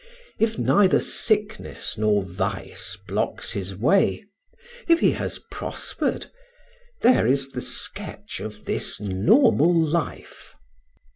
If neither sickness nor vice blocks his way if he has prospered there is the sketch of this normal life.